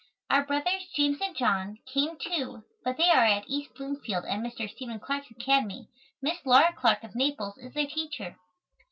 Our brothers, James and John, came too, but they are at East Bloomfield at Mr. Stephen Clark's Academy. Miss Laura Clark of Naples is their teacher.